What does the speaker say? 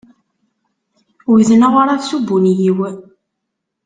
Wten aɣrab s ubunyiw.